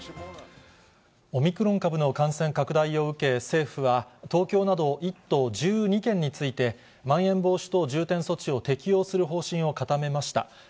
オミクロン株の感染拡大を受け、政府は、東京など１都１２県について、まん延防止等重点措置を適用する方針を固めました。